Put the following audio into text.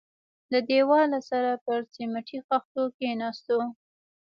له دېواله سره پر سميټي خښتو کښېناستو.